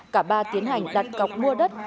cả ba tiến hành đặt cọc mua đất